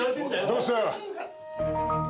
・どうした？